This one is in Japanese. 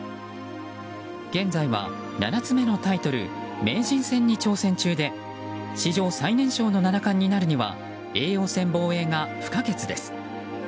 現在は、７つ目のタイトル名人戦に挑戦中で史上最年少の七冠になるには叡王戦防衛が不可欠です。